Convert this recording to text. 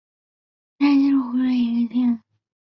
应山县是湖北省的一个县份。